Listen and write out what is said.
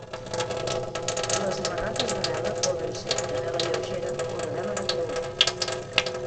Les regates de vela poden ser de vela lleugera o de vela de creuer.